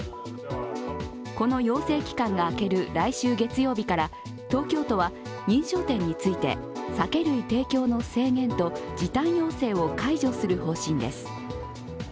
この要請期間が明ける来週月曜日から、東京都は認証店について酒類提供の制限と時短要請を解除する方針です。